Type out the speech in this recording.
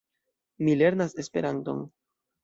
Mi lernas Esperanton.